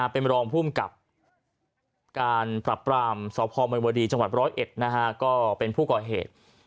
เป็นรองภูมิกับการปรับปรามสพมยวดีจังหวัด๑๐๑ก็เป็นผู้ก่อเหตุ